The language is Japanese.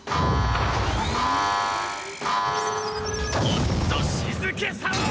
もっと静けさを！